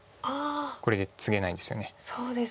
これでツゲないんですよね。